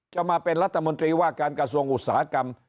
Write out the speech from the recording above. จะมาเป็นรัฐมนตรีว่าการกระทรวงอุตสาหกรรม